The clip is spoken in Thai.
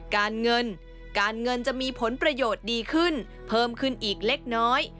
การเงินการเงินจะมีผลประโยชน์ดีขึ้นเพิ่มขึ้นอีกเล็กน้อย